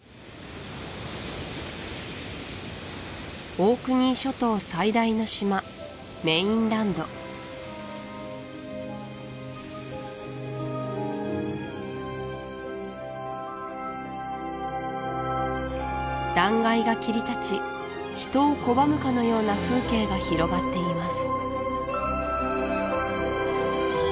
オークニー諸島最大の島メインランド断崖が切り立ち人を拒むかのような風景が広がっています